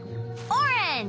オレンジ！